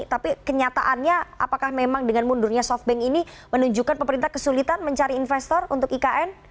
tapi kenyataannya apakah memang dengan mundurnya softbank ini menunjukkan pemerintah kesulitan mencari investor untuk ikn